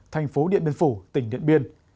tp điện biên phủ tỉnh điện biên